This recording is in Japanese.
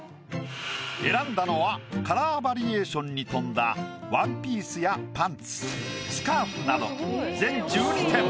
選んだのはカラーバリエーションに富んだワンピースやパンツスカーフなど全１２点。